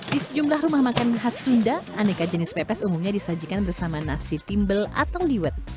di sejumlah rumah makan khas sunda aneka jenis pepes umumnya disajikan bersama nasi timbel atau liwet